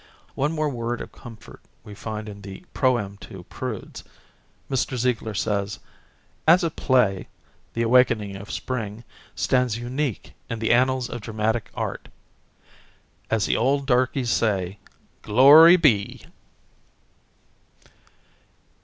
One more word of comfort we find in the "Proem to Prudes." Mr. Ziegler says, "As a play it â€" ("The Awakening of Spring") â€" stands unique in the annals of dramatic art." As the old darkies say â€" "Glory be!"